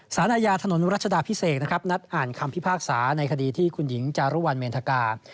สารอาญาถนนรัชดาพิเศษนะครับนัดอ่านคำพิพากษาในคดีที่คุณหญิงจารุวัลเมนธกา